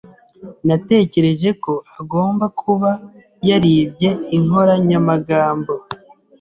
Natekereje ko agomba kuba yaribye inkoranyamagambo.